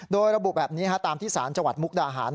โดยระบุแบบนี้ตามที่สารจังหวัดมุกดาหาร